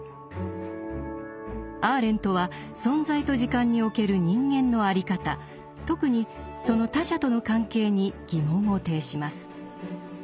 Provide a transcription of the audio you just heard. アーレントは「存在と時間」における人間のあり方特にその他者との関係に疑問を呈します。